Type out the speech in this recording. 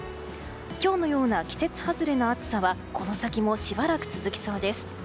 今日のような季節外れの暑さはこの先もしばらく続きそうです。